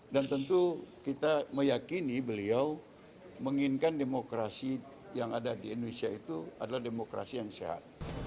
dan tentu kita meyakini beliau menginginkan demokrasi yang ada di indonesia itu adalah demokrasi yang sehat